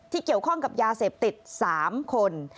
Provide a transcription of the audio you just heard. เกี่ยวข้องกับยาเสพติด๓คน